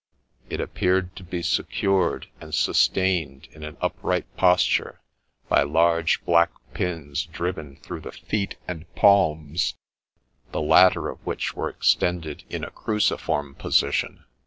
It appeared to be secured, and sustained in an upright posture, by large black pins driven through the feet and palms, the latter of which were extended in a cruciform position.